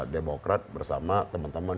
demokrat bersama teman teman